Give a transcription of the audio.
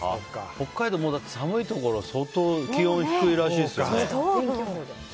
北海道、もう寒いところは相当気温低いらしいですよね。